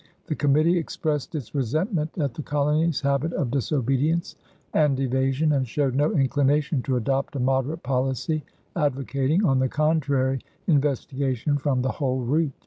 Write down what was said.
The committee expressed its resentment at the colony's habit of disobedience and evasion, and showed no inclination to adopt a moderate policy, advocating, on the contrary, investigation "from the whole root."